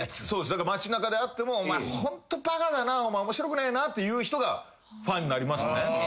だから街中で会っても「お前ホントバカだなお前面白くねえな」って言う人がファンになりますね。